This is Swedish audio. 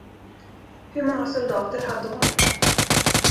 Hur många soldater hade hon?